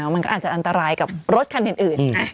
มันก็อาจจะอันตรายกับรถคันอื่น